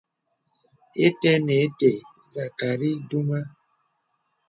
Ite nə̀ ite zakari dumə.